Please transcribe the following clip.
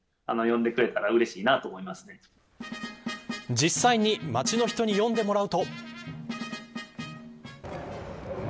実際に街の人に読んでもらうと。